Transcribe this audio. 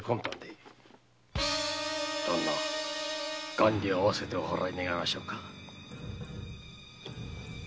元利合わせてお払い願いましょうか。